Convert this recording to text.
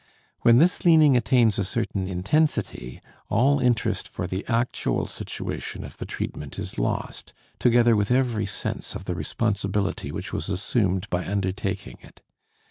When this leaning attains a certain intensity, all interest for the actual situation of the treatment is lost, together with every sense of the responsibility which was assumed by undertaking it.